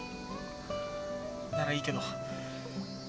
ならいいけど。